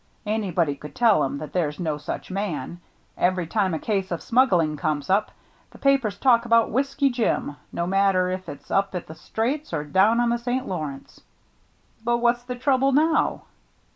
Anybody could tell 'em that there's no such man. Every time a case of smuggling comes up, the papers talk about * Whiskey Jim,' no THE NEW MATE 49 matter if it's up at the straits or down on the St. Lawrence." "But what's the trouble now?"